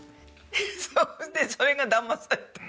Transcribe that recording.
それでそれがだまされて。